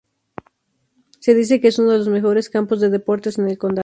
Se dice que es uno de los mejores campos de deportes en el condado.